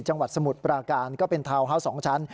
สมุทรปราการก็เป็นทาวน์ฮาวส์๒ชั้น